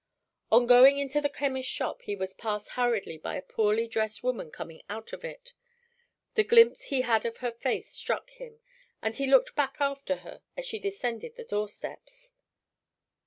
On going into the chemist's shop he was passed hurriedly by a poorly dressed woman coming out of it. The glimpse he had of her face struck him, and he looked back after her as she descended the door steps.